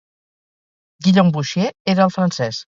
Guillaume Bouchier era el francès.